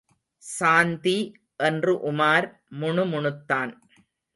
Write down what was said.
சாந்தி! என்று உமார் முணுமுணுத்தான்.